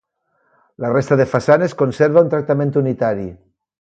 La resta de façanes conserva un tractament unitari.